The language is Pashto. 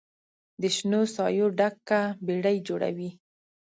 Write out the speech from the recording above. د شنو سایو ډکه بیړۍ جوړوي